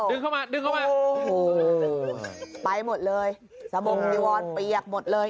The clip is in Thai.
ดึงเข้ามาดึงเข้ามาโอ้โหววไปหมดเลยสมมุมวีวอลเปียกหมดเลย